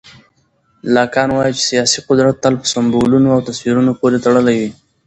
لاکان وایي چې سیاسي قدرت تل په سمبولونو او تصویرونو پورې تړلی وي.